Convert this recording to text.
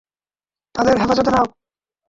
তাদের হেফাজতে নাও।